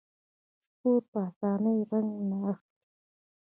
سپور په اسانۍ رنګ نه اخلي.